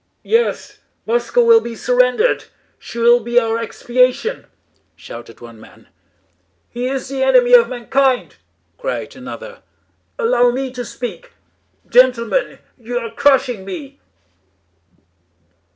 "Yes, Moscow will be surrendered! She will be our expiation!" shouted one man. "He is the enemy of mankind!" cried another. "Allow me to speak...." "Gentlemen, you are crushing me!..."